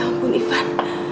ya ampun ivan